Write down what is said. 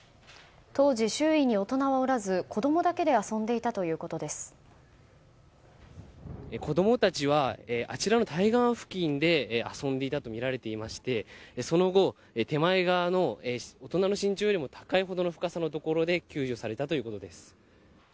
当時、周囲に大人はおらず子供だけで子供たちはあちらの対岸付近で遊んでいたとみられていましてその後、手前側の大人の身長よりも高いところで救助されたということです。